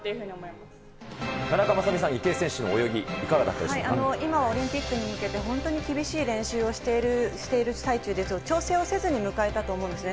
ま田中雅美さん、池江選手の泳今、オリンピックに向けて、本当に厳しい練習をしている最中で、調整をせずに迎えたと思うんですね。